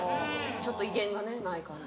ちょっと威厳がねない感じ。